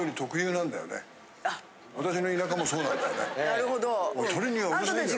なるほど。